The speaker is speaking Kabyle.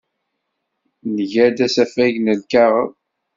Nga-d asafag n lkaɣeḍ.